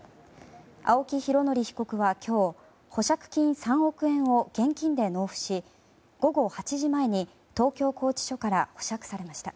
青木拡憲被告は今日保釈金３億円を現金で納付し午後８時前に東京拘置所から保釈されました。